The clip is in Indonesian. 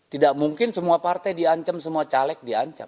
tidak mungkin semua partai diancam semua caleg diancam